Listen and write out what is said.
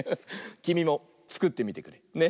きみもつくってみてくれ。ね！